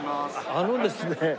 あのですね